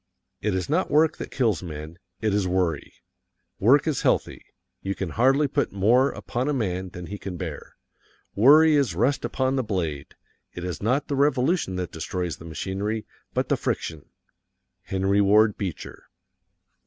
It is not work that kills men; it is worry. Work is healthy; you can hardly put more upon a man than he can bear. Worry is rust upon the blade. It is not the revolution that destroys the machinery but the friction. HENRY WARD BEECHER.